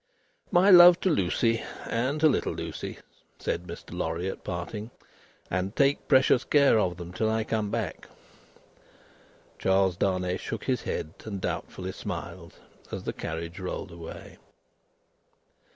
"My love to Lucie, and to little Lucie," said Mr. Lorry at parting, "and take precious care of them till I come back." Charles Darnay shook his head and doubtfully smiled, as the carriage rolled away.